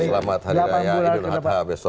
selamat idul adha besok